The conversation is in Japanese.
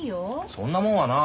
そんなもんはな